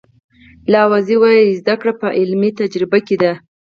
لاوزي وایي زده کړه په عملي تجربه کې ده.